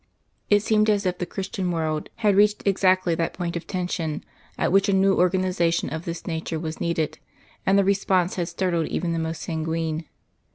It seemed as if the Christian world had reached exactly that point of tension at which a new organisation of this nature was needed, and the response had startled even the most sanguine.